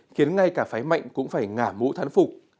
khiến ngay cả phái mạnh cũng phải ngã mũ thán phục